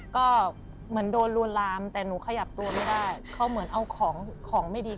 ก็เหมือนโดนลวนลามแต่หนูขยับตัวไม่ได้เขาเหมือนเอาของของไม่ดี